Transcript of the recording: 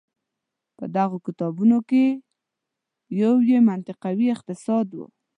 په دغو کتابونو کې یو یې منطقوي اقتصاد و.